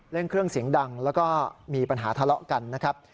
เล่นเครื่องเสียงดังแล้วก็มีปัญหาทะเลาะกันนะครับ